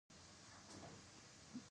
افغانستان د هرات له امله شهرت لري.